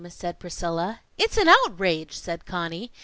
said Priscilla. "It's an outrage!" said Conny.